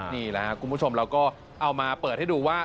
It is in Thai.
นี่แหละครับคุณผู้ชมเราก็เอามาเปิดให้ดูว่า